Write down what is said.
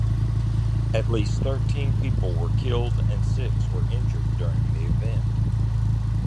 At least thirteen people were killed and six were injured during the event.